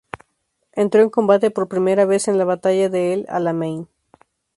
Entró en combate por primera vez en la Batalla de El Alamein.